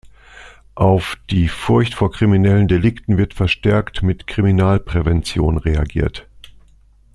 Auf die Furcht vor kriminellen Delikten wird verstärkt mit Kriminalprävention reagiert.